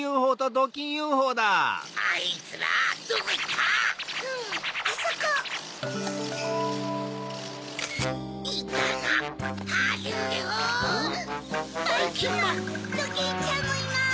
ドキンちゃんもいます！